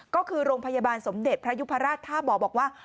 ก็คือโรงพยาบาลสมเด็จพระยุพราชท่าบ่อบอกว่า